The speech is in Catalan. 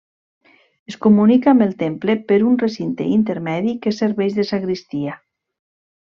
Es comunica amb el temple per un recinte intermedi que serveix de sagristia.